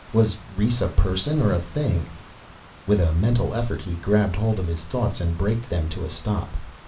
Was Rhes a person or a thing? With a mental effort he grabbed hold of his thoughts and braked them to a stop.